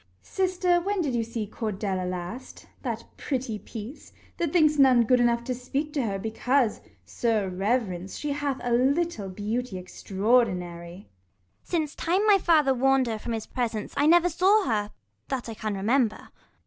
Sister, when did you see Cordelia last, That pretty piece, that thinks none good enough To speak to her, because, sir reverence, She hath a little beauty extraordinary ? Ragan. Since time my father warn'd her from his presence, 5 I never saw her, that I can remember.